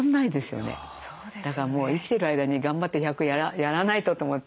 だからもう生きてる間に頑張って１００やらないとと思って。